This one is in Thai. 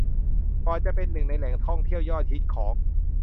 ก่อนจะเป็นหนึ่งในแหล่งท่องเที่ยวยอดฮิตของ